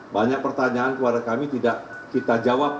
banyak pertanyaan kepada kami tidak kita jawab